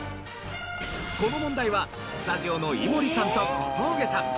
この問題はスタジオの井森さんと小峠さん